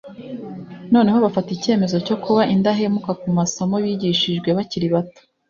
noneho bafata icyemezo cyo kuba indahemuka ku masomo bigishijwe bakiri bato